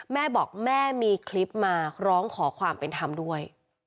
แม่บอกแม่มีคลิปมาร้องขอความเป็นธรรมด้วย